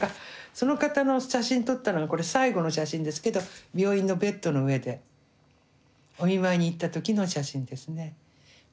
その方の写真撮ったのがこれ最後の写真ですけど病院のベッドの上でお見舞いに行った時の写真ですね。